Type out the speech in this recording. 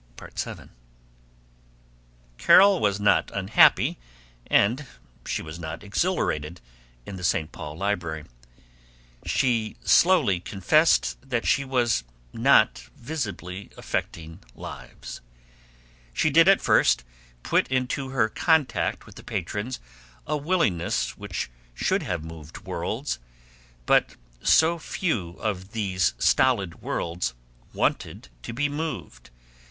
VII Carol was not unhappy and she was not exhilarated, in the St. Paul Library. She slowly confessed that she was not visibly affecting lives. She did, at first, put into her contact with the patrons a willingness which should have moved worlds. But so few of these stolid worlds wanted to be moved.